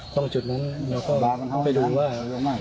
ตรงจุดนั้นแล้วก็ไปดูว่า